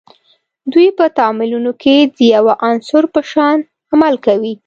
دوی په تعاملونو کې د یوه عنصر په شان عمل کوي.